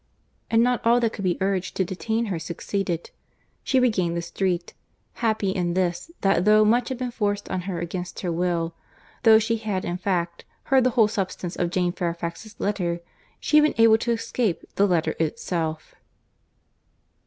And not all that could be urged to detain her succeeded. She regained the street—happy in this, that though much had been forced on her against her will, though she had in fact heard the whole substance of Jane Fairfax's letter, she had been able to escape the letter itself.